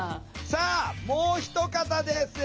さあもう一方です。